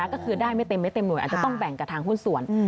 ก็คือได้ไม่เต็มไม่เต็มหน่วยอาจจะต้องแบ่งกับทางหุ้นส่วน